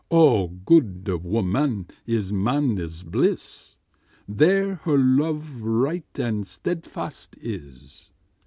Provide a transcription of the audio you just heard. A gode womman is mannys blys, There her love right and stedfast ys.